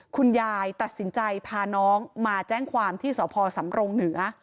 คุณยายตัดสินใจพาน้องมาแจ้งความที่สพสำรงเหนือ